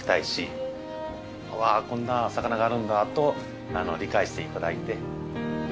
うわあこんな魚があるんだと理解して頂いて。